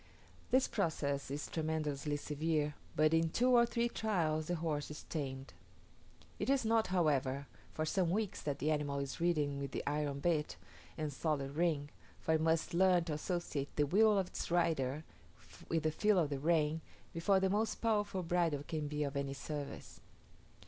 This process is tremendously severe, but in two or three trials the horse is tamed. It is not, however, for some weeks that the animal is ridden with the iron bit and solid ring, for it must learn to associate the will of its rider with the feel of the rein, before the most powerful bridle can be of any service.